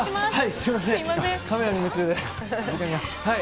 すみません、カメラに夢中で時間が。